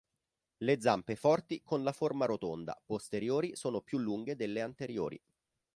Le zampe forti con la forma rotonda, posteriori sono più lunghe delle anteriori.